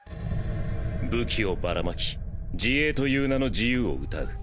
武器をバラ撒き自衛という名の自由を謳う。